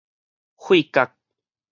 血角